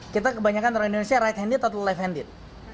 kita kebanyakan orang indonesia right handed atau life handed